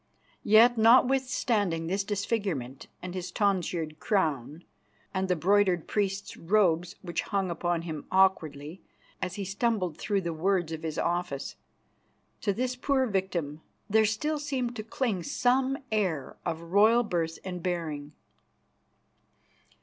Yet, notwithstanding this disfigurement, and his tonsured crown, and the broidered priest's robes which hung upon him awkwardly, as he stumbled through the words of his office, to this poor victim there still seemed to cling some air of royal birth and bearing.